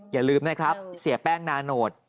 อย่าลืมนะครับเสียแป้งนาโนต